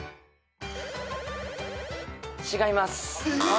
違います。